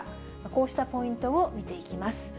こうしたポイントを見ていきます。